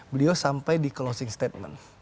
beliau sampai di closing statement